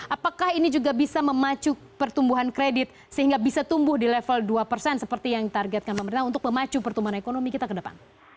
apakah ini juga bisa memacu pertumbuhan kredit sehingga bisa tumbuh di level dua persen seperti yang ditargetkan pemerintah untuk memacu pertumbuhan ekonomi kita ke depan